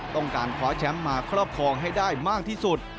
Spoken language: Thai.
ต้องการคว้าแชมป์มาครอบครองให้ได้มากที่สุด